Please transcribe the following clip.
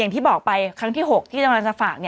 ที่บอกไปครั้งที่๖ที่จะฝาก